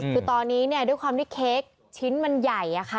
คือตอนนี้ด้วยความที่เค้กชิ้นมันใหญ่อะค่ะ